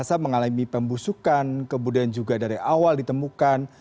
masa mengalami pembusukan kemudian juga dari awal ditemukan